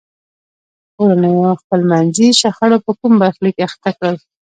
کورنیو خپلمنځي شخړو په کوم برخلیک اخته کړل.